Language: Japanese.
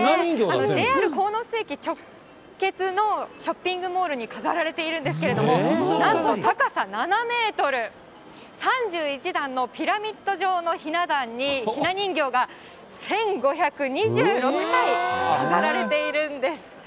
ＪＲ鴻巣駅直結のショッピングモールに飾られているんですけれども、なんと高さ７メートル、３１段のピラミッド状のひな壇に、ひな人形が１５２６体飾られているんです。